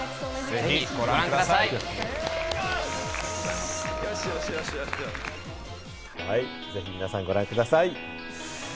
ぜひ、ぜひ皆さんご覧ください。